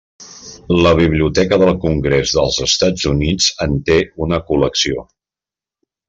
La Biblioteca del Congrés dels Estats Units en té una col·lecció.